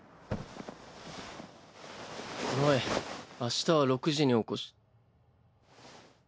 ノイ明日は６時に起こし。